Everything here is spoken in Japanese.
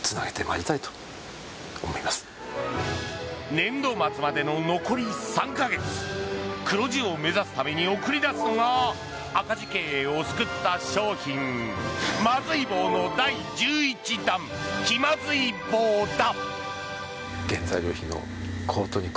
年度末までの残り３か月黒字を目指すために送り出すのが赤字経営を救った商品まずい棒の第１１弾きまずい棒だ。